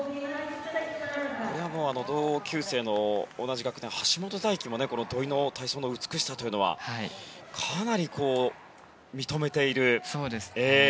これは同級生の橋本大輝も土井の体操の美しさというのはかなり認めている。